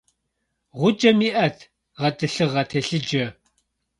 Гъукӏэм иӏэт гъэтӏылъыгъэ телъыджэ.